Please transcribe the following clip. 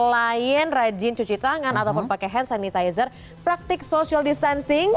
selain rajin cuci tangan ataupun pakai hand sanitizer praktik social distancing